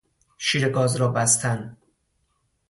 شیر گاز را بستن